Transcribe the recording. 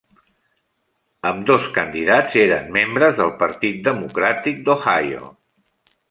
Ambdós candidats eren membres del Partit Democràtic d'Ohio.